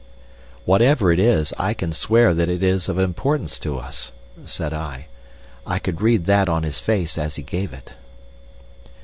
"Whatever it is, I can swear that it is of importance to us," said I. "I could read that on his face as he gave it."